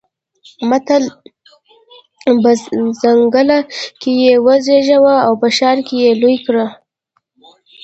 متل: په ځنګله کې يې وزېږوه او په ښار کې يې لوی کړه.